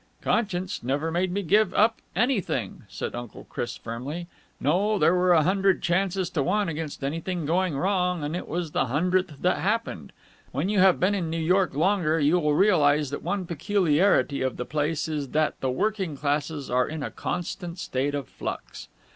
"Conscience never made me give up anything," said Uncle Chris firmly. "No, there were a hundred chances to one against anything going wrong, and it was the hundredth that happened. When you have been in New York longer, you will realize that one peculiarity of the place is that the working classes are in a constant state of flux.